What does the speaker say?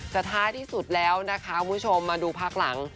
แต่ท้ายที่สุดแล้วนะคะคุณผู้ชมมาดูพักหลัง